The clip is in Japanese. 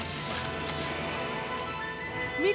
見て！